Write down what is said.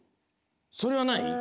それはない？